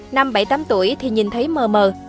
năm bảy tám tuổi thì nhìn thấy mờ mờ